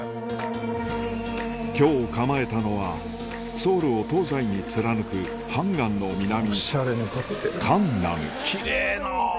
居を構えたのはソウルを東西に貫くハンガンの南カンナムキレイな！